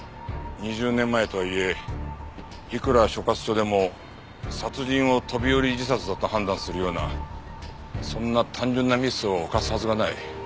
２０年前とはいえいくら所轄署でも殺人を飛び降り自殺だと判断するようなそんな単純なミスを犯すはずがない。